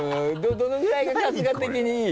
どのぐらいが春日的にいい？